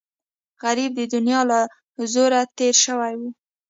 غریب د دنیا له زوره تېر شوی وي